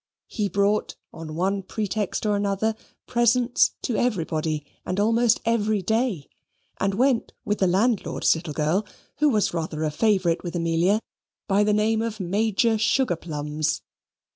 He brought, on one pretext or another, presents to everybody, and almost every day; and went, with the landlord's little girl, who was rather a favourite with Amelia, by the name of Major Sugarplums.